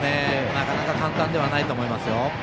なかなか簡単ではないと思います。